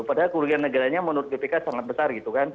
padahal kerugian negaranya menurut bpk sangat besar gitu kan